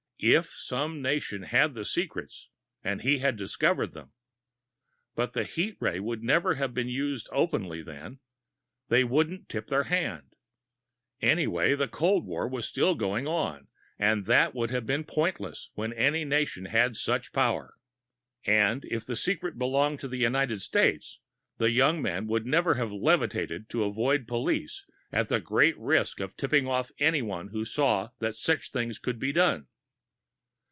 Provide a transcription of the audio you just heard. If some nation had the secrets, and he had discovered them.... But the heat ray would never have been used openly, then; they wouldn't tip their hand. Anyhow, the cold war was still going on, and that would have been pointless when any nation had such power. And if the secret belonged to the United States, the young man would never have levitated to avoid police at the greater risk of tipping off anyone who saw that such things could be done.